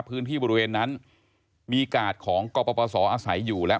พื้นที่บริเวณนั้นมีกาดของกรปศอาศัยอยู่และ